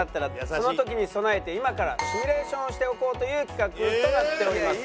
その時に備えて今からシミュレーションをしておこうという企画となっております。